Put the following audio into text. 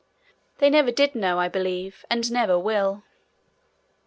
They never did know, I believe, and never will.